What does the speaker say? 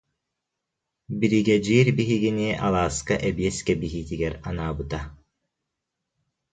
Биригэдьиир биһигини алааска эбиэс кэбиһиитигэр анаабыта